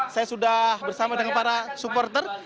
saya sudah bersama dengan para supporter